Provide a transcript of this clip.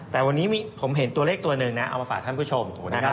แต่วันนี้ผมเห็นตัวเลขตัวหนึ่งนะเอามาฝากท่านผู้ชมนะครับ